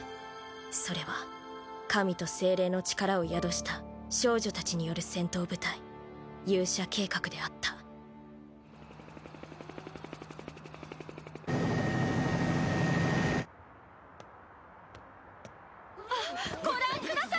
それは神と精霊の力を宿した少女たちによる戦闘部隊勇者計画であったババババッババババッあっご覧ください。